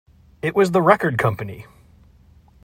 It was the record company!